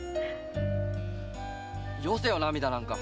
よせよ涙なんか。